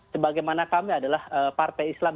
sebagaimana kami adalah partai islam